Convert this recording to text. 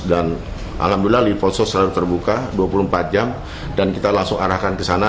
dan alhamdulillah liponsos selalu terbuka dua puluh empat jam dan kita langsung arahkan ke sana